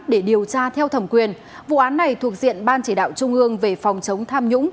để điều tra theo thẩm quyền vụ án này thuộc diện ban chỉ đạo trung ương về phòng chống tham nhũng